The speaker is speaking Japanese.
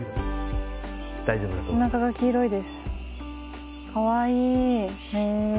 おなかが黄色いです